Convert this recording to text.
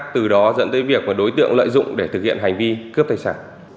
từ đó dẫn tới việc đối tượng lợi dụng để thực hiện hành vi cướp tài sản